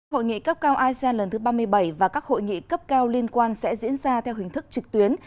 hội nghị cấp cao asean lần thứ ba mươi bảy và các hội nghị cấp cao liên quan sẽ diễn ra theo hình thức trực tuyến